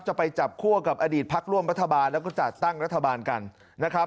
จะไปจับคั่วกับอดีตพักร่วมรัฐบาลแล้วก็จัดตั้งรัฐบาลกันนะครับ